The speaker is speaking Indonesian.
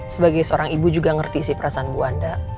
sebagai seorang ibu juga ngerti sih perasaan bu anda